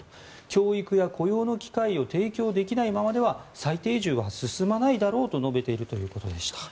教育や雇用の機会を提供できないままでは再定住は進まないだろうと述べているということでした。